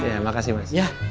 iya makasih mas